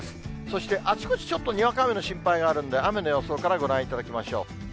そしてあちこち、ちょっとにわか雨の心配があるんで、雨の予想からご覧いただきましょう。